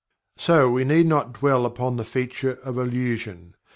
So, we need not dwell upon the feature of illusion.